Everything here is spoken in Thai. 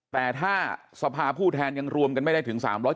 แต่ถ้าสภาผู้แทนยังรวมกันไม่ได้ถึง๓๐